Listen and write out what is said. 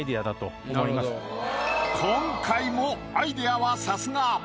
今回もアイデアはさすが。